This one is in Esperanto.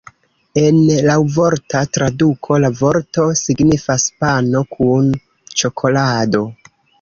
En laŭvorta traduko la vorto signifas "pano kun ĉokolado".